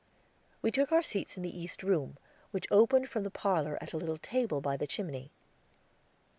We took our seats in the East Room, which opened from the parlor, at a little table by the chimney.